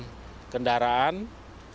kita tidak mau melampaui daripada batas